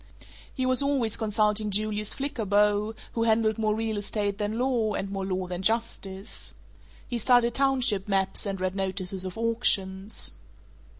He was always consulting Julius Flickerbaugh, who handled more real estate than law, and more law than justice. He studied township maps, and read notices of auctions.